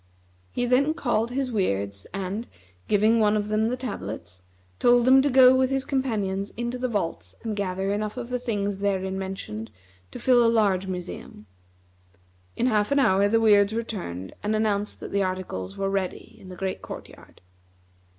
He then called his Weirds and, giving one of them the tablets, told him to go with his companions into the vaults and gather enough of the things therein mentioned to fill a large museum. In half an hour the Weirds returned and announced that the articles were ready in the great court yard.